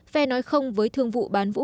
phè nói không với thương vụ bán vũ khí